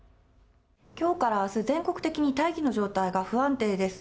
きょうからあす、全国的に大気の状態が不安定です。